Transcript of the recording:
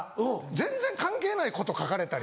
全然関係ないこと書かれたり。